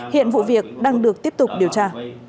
hiện vụ việc đang được tiếp tục điều tra